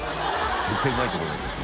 簑うまいと思いますよ。